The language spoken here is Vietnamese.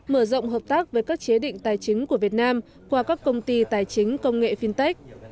mở rộng hợp tác với các chế định tài chính của việt nam qua các công ty tài chính công nghệ fintech